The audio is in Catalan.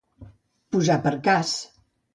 Posar per cas.